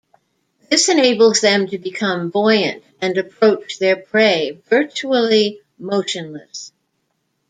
This enables them to become buoyant and approach their prey virtually motionless.